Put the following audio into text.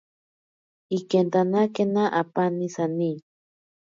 Ikentanakena apaani sani.